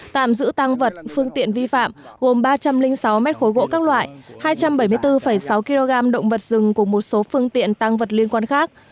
tạm giữ tăng vật phương tiện vi phạm gồm ba trăm linh sáu mét khối gỗ các loại hai trăm bảy mươi bốn sáu kg động vật rừng cùng một số phương tiện tăng vật liên quan khác